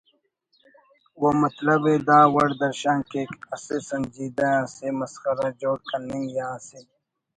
و مطلب ءِ دا وڑ درشان کیک: ''اسہ سنجیدہ اسے مسخرہ جوڑ کننگ یا اسے